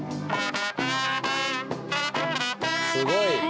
すごい！